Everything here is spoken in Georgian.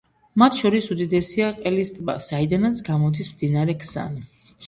მათ შორის უდიდესია ყელის ტბა, საიდანაც გამოდის მდინარე ქსანი.